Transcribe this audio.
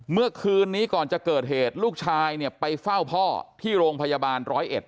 เมื่อคืนนี้ก่อนจะเกิดเหตุลูกชายเนี่ยไปเฝ้าพ่อที่โรงพยาบาลร้อยเอ็ด